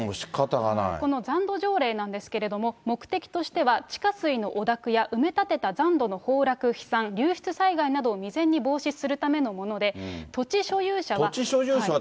この残土条例なんですけれども、目的としては、地下水の汚濁や埋め立てた残土の崩落、飛散、流出災害などを未然に防止するためのもので、土地所有者は。